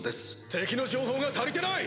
・敵の情報が足りてない！